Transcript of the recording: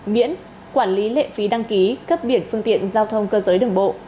miễn quản lý lệ phí đăng ký cấp biển phương tiện giao thông cơ giới đường bộ